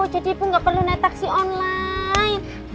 jadi bu gak perlu naik taksi online